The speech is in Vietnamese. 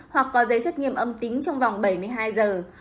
hoặc có giấy xét nghiệm âm tính trong vòng bảy mươi hai giờ